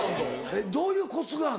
どういうコツがあんの？